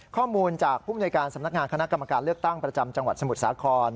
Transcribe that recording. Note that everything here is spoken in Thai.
ข้อมูลจากผู้มนวยการสำนักงานคณะกรรมการเลือกตั้งประจำจังหวัดสมุทรสาคร